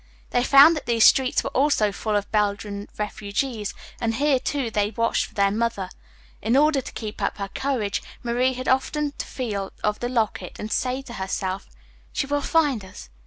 They found that these streets were also full of Belgian refugees, and here, too, they watched for their mother. In order to keep up her courage, Marie had often to feel of the locket and to say to herself: "She will find us.